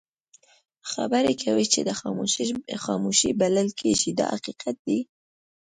خبرې کوي چې خاموشي بلل کېږي دا حقیقت دی.